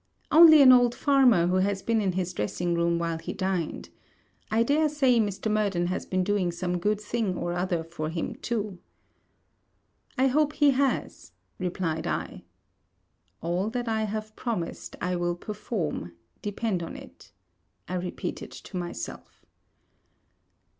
'Only an old farmer, who has been in his dressing room while he dined. I dare say Mr. Murden has been doing some good thing or other for him too.' 'I hope he has,' replied I. All that I have promised, I will perform, depend on it, I repeated to myself.